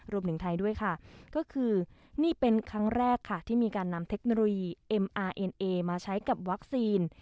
รวมถึงไทยด้วยค่ะก็คือนี่เป็นครั้งแรกค่ะที่มีการนำเทคโนโลยีเอ็มอาร์เอ็นเอมาใช้กับวัคซีน